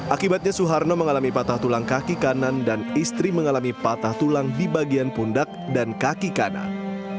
akibatnya suharno mengalami patah tulang kaki kanan dan istri mengalami patah tulang di bagian pundak dan kaki kanan